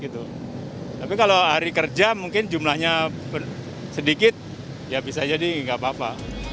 tapi kalau hari kerja mungkin jumlahnya sedikit ya bisa jadi nggak apa apa